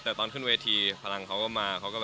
แต่ตอนขึ้นเวทีพลังเขาก็มาเขาก็